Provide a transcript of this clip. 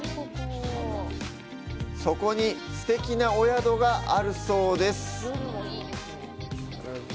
そこに、すてきなお宿があるそうです。